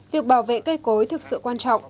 việc bảo vệ cây cối thực sự quan trọng